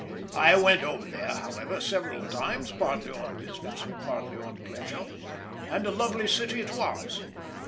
I went over there, however, several times, partly on business, and partly on pleasure, and a lovely city it was.